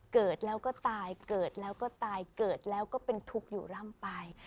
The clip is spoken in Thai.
เกิดแล้วก็ตายเกิดแล้วก็ตายเกิดแล้วก็เป็นทุกข์อยู่ร่ำไป